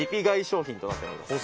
商品となっております。